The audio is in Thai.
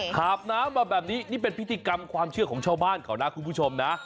หาบน้ำมาแบบนี้นี่เป็นพิธีกรรมความเชื่อของชาวบ้านเขานะคุณผู้ชมนะ